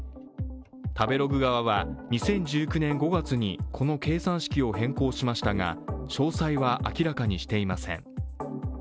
食べログ側は２０１９年５月にこの計算式を変更しましたが、詳細は明らかにしていません。